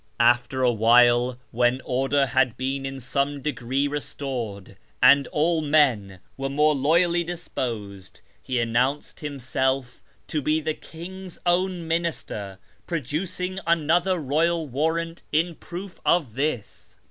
After a while, when order had been in some degree restored, and men were more loyally disposed, he announced himself to be the king's own minister, producing another royal warrant in proof of this.